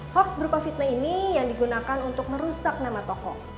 hoax berupa fitnah ini yang digunakan untuk merusak nama tokoh